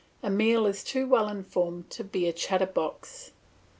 Emile is too well informed to be a chatter box.